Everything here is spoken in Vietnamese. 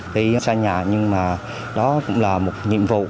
khi xa nhà nhưng mà đó cũng là một nhiệm vụ